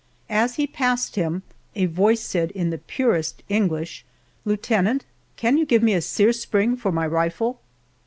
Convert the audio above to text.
As he passed him a voice said in the purest English, "Lieutenant, can you give me a sear spring for my rifle?"